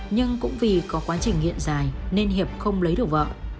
nhưng cũng vì có quá trình nghiện dài nên hiệp không lấy được vợ